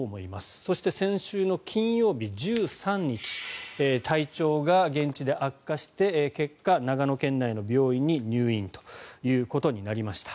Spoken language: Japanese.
そして先週金曜日、１３日体調が現地で悪化して結果、長野県内の病院に入院ということになりました。